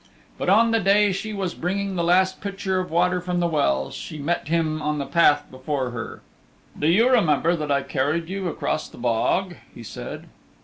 But on the day she was bringing the last pitcher of water from the well she met him on the path before her. "Do you remember that I carried you across the bog?" he said.